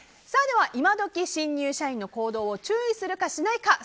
ではイマドキ新入社員の行動を注意するか、しないか。